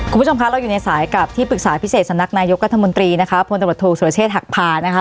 คุณผู้ชมคะเราอยู่ในสายกับที่ปรึกษาพิเศษสำนักนายกรัฐมนตรีนะคะพลตำรวจโทษสุรเชษฐหักพานะคะ